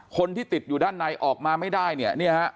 คนที่ติดอยู่ด้านในออกมาไม่ได้